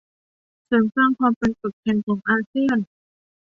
เสริมสร้างความเป็นปึกแผ่นของอาเซียน